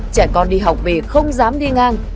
trẻ con đi học về không dám đi ngang